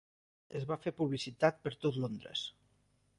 Es va fer publicitat per tot Londres.